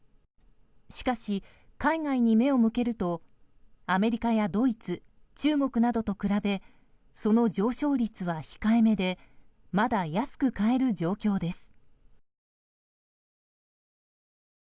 しかし、海外に目を向けるとアメリカやドイツ中国などと比べその上昇率は控えめでまだ安く買える状況です。